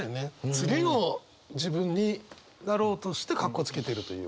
次の自分になろうとしてカッコつけてるという。